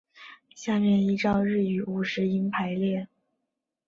下面依照日语五十音排列。